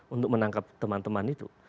untuk menangkap teman teman itu